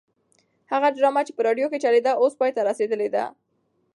هغه ډرامه چې په راډیو کې چلېده اوس پای ته رسېدلې ده.